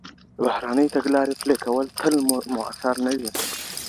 د بهرنی تګلاري پلي کول تل مؤثر نه وي.